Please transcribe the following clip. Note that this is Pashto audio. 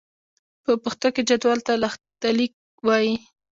په پښتو کې جدول ته لښتليک وايي.